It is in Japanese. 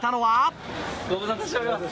ご無沙汰しております